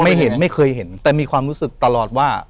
ไม่เห็นไม่เคยเห็นแต่มีความรู้สึกตลอดว่า